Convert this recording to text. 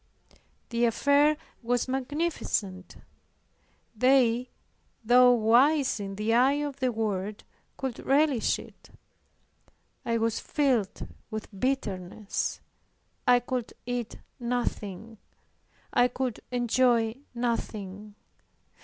The affair was magnificent; they, though wise in the eye of the world, could relish it. I was filled with bitterness. I could eat nothing, I could enjoy nothing.